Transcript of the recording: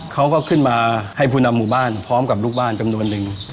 เขาก็ขึ้นมาให้ผู้นำหมู่บ้านพร้อมกับลูกบ้านจำนวนนึง